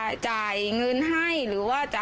ความปลอดภัยของนายอภิรักษ์และครอบครัวด้วยซ้ำ